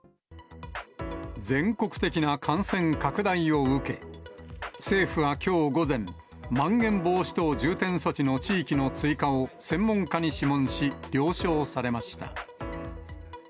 全国的な感染拡大を受け、政府はきょう午前、まん延防止等重点措置の地域の追加を専門家に諮問し、了承されました。